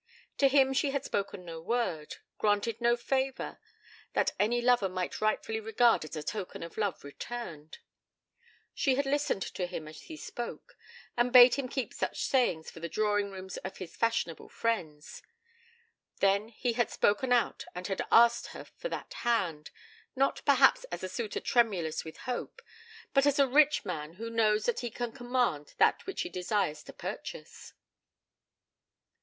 To him she had spoken no word, granted no favour, that any lover might rightfully regard as a token of love returned. She had listened to him as he spoke, and bade him keep such sayings for the drawing rooms of his fashionable friends. Then he had spoken out and had asked for that hand, not, perhaps, as a suitor tremulous with hope, but as a rich man who knows that he can command that which he desires to purchase.